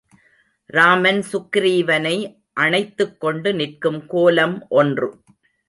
ராமன் சுக்ரீவனை அணைத்துக் கொண்டு நிற்கும் கோலம் ஒன்று.